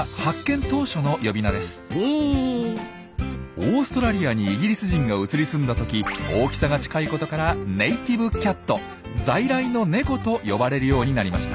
オーストラリアにイギリス人が移り住んだ時大きさが近いことから「Ｎａｔｉｖｅｃａｔ」「在来のネコ」と呼ばれるようになりました。